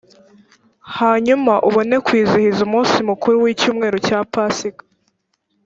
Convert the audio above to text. hanyuma ubone kwizihiza umunsi mukuru w’icyumweru cya pasika,